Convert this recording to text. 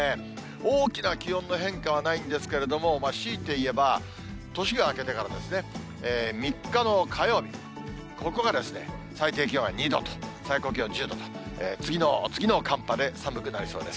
大きな気温の変化はないんですけれども、強いていえば、年が明けてからですね、３日の火曜日、ここがですね、最低気温が２度と、最高気温１０度と、次の次の寒波で寒くなりそうです。